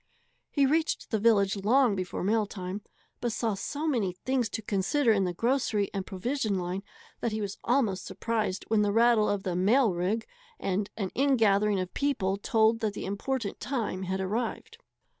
He reached the village long before mail time, but saw so many things to consider in the grocery and provision line that he was almost surprised when the rattle of the "mail rig" and an in gathering of people told that the important time had arrived.